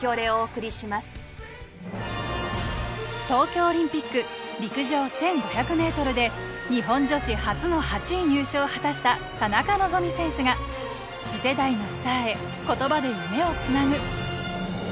東京オリンピック陸上１５００メートルで日本女子初の８位入賞を果たした田中希実選手が次世代のスターへ言葉で夢をつなぐ。